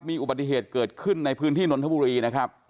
มีอุบัติเหตุเกิดขึ้นในพื้นที่นนทบุรีนะครับ